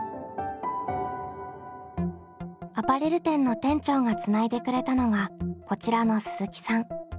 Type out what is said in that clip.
アパレル店の店長がつないでくれたのがこちらの鈴木さん。